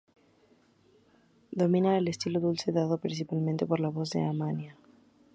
Domina el estilo dulce dado principalmente por la voz de Amaia.